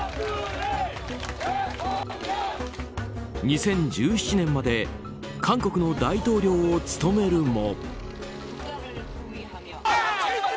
２０１７年まで韓国の大統領を務めるも。